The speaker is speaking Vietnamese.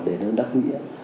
để nó đắc nghĩa